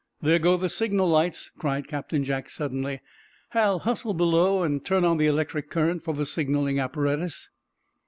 "There go the signal lights," cried Captain Jack, suddenly. "Hal, hustle below and turn on the electric current for the signaling apparatus."